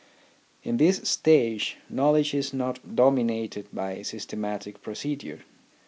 In this stage knowledge is not dominated by systematic procedure.